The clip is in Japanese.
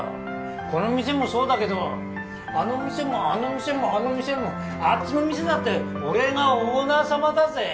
この店もそうだけどあの店もあの店もあの店もあっちの店だって俺がオーナー様だぜ？